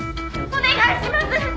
お願いします！